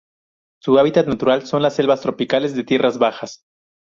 Su hábitat natural son las selvas tropicales de tierras bajas.